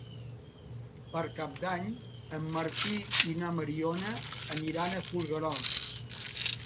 Per Cap d'Any en Martí i na Mariona aniran a Folgueroles.